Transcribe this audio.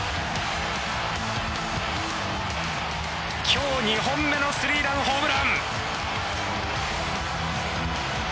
今日２本目の３ランホームラン！